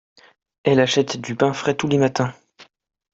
elle achète du pain frais tous les matins.